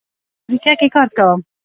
زه په فابریکه کې کار کوم.